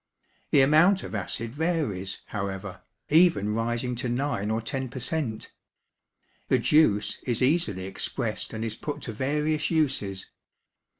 The amount of acid varies, however, even rising to 9 or 10 per cent. The juice is easily expressed and is put to various uses.